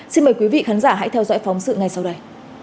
xin mời quý vị khán giả hãy theo dõi phóng sự ngay sau đây